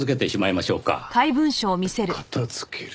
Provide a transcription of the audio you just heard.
片付ける？